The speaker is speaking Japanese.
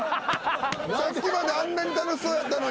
さっきまであんなに楽しそうやったのに。